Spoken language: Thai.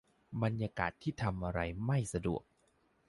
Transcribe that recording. บรรยากาศที่ทำอะไรไม่สะดวก